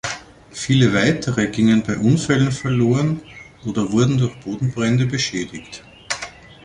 Viele weitere gingen bei Unfällen verloren oder wurden durch Bodenbrände beschädigt.